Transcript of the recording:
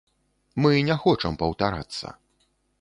Мы не хочам паўтарацца.